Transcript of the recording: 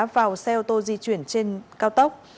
vào xe ô tô di chuyển trên cao tốc